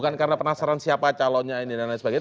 bukan karena penasaran siapa calonnya ini dan lain sebagainya